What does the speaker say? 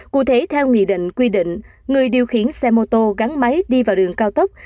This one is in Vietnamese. cụ thể theo nghị định quy định người điều khiển xe mô tô gắn máy đi vào đường cao tốc